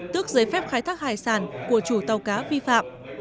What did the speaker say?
tước giấy phép khai thác hải sản của chủ tàu cá vi phạm